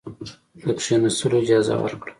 د کښېنستلو اجازه ورکړه.